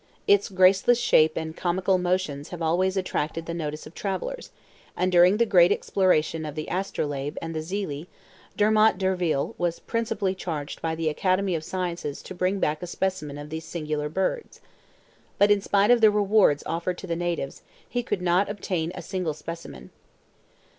Its graceless shape and comical motions have always attracted the notice of travelers, and during the great exploration of the Astrolabe and the Zelee, Dumont d'Urville was principally charged by the Academy of Sciences to bring back a specimen of these singular birds. But in spite of rewards offered to the natives, he could not obtain a single specimen.